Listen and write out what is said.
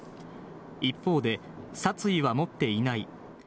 一方で、殺意は持っていない。